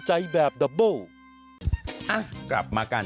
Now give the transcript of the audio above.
อ้าวกลับมากัน